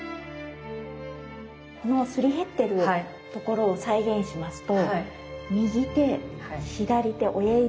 このすり減ってるところを再現しますと右手左手親指